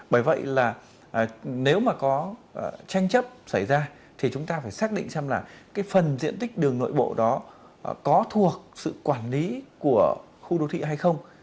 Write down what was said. bởi vậy là nếu mà có tranh chấp xảy ra thì chúng ta phải xác định xem là cái phần diện tích đường nội bộ đó có thuộc sự quản lý của khu đô thị hay không